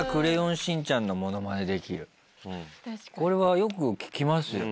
これはよく聞きますよ。